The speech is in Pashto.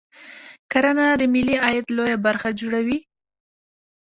کرنه د ملي عاید لویه برخه جوړوي